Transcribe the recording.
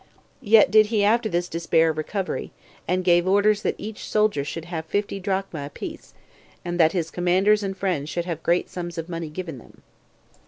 Yet did he after this despair of recovery, and gave orders that each soldier should have fifty drachmae a piece, and that his commanders and friends should have great sums of money given them.